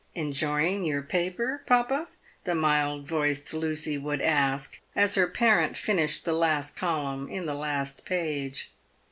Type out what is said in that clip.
"Enjoying your paper, papa?" the mild voiced Lucy would ask, as her parent finished the last column in the last page.